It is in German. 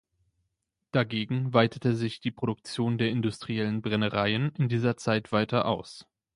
Dagegen weitete sich die Produktion der industriellen Brennereien in dieser Zeit weiter aus.